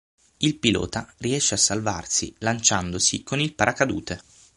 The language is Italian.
Il pilota riesce a salvarsi lanciandosi con il paracadute.